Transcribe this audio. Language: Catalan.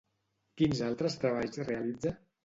Quins altres treballs realitza?